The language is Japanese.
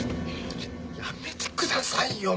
やめてくださいよ。